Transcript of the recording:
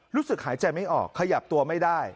รู้สึกหายใจไม่ออกขยับตัวไม่ได้